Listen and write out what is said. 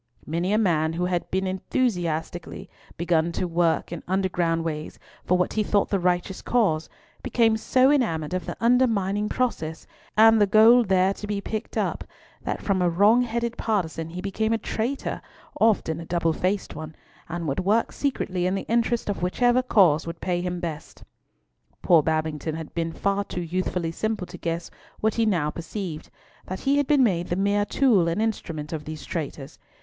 Many a man who had begun enthusiastically to work in underground ways for what he thought the righteous cause, became so enamoured of the undermining process, and the gold there to be picked up, that from a wrong headed partizan he became a traitor—often a double faced one—and would work secretly in the interest of whichever cause would pay him best. Poor Babington had been far too youthfully simple to guess what he now perceived, that he had been made the mere tool and instrument of these traitors.